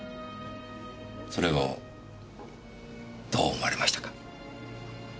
それをどう思われましたか？